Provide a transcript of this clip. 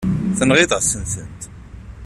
Tenɣiḍ-asen-tent.